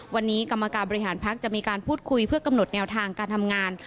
วันนี้กรรมการบริหารพักจะมีการพูดคุยเพื่อกำหนดแนวทางการทำงาน